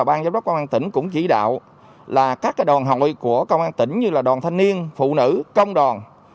ban giám đốc công an tỉnh cũng chỉ đạo là các đoàn hội của công an tỉnh như là đoàn thanh niên phụ nữ công đoàn